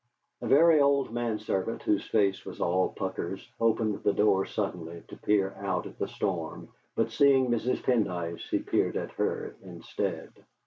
A very old manservant, whose face was all puckers, opened the door suddenly to peer out at the storm, but seeing Mrs. Pendyce, he peered at her instead.